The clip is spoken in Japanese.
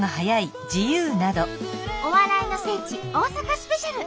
お笑いの聖地大阪スペシャル！